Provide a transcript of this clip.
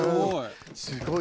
すごい。